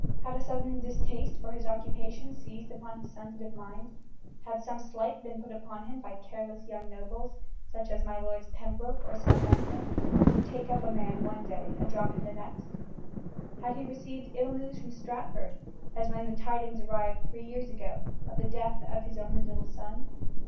Had a sudden distaste for his occupation seized upon his sensitive mind? Had some slight been put upon him by careless young nobles, such as my lords Pembroke or Southampton, who take up a man one day and drop him the next? Had he received ill news from Stratford, as when the tidings arrived, three years ago, of the death of his only little son?